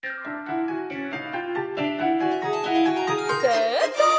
「せいかい！」。